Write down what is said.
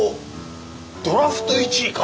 ドラフト１位か！